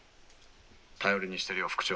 「頼りにしてるよ副長」。